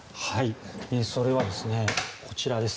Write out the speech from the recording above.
それは、こちらです。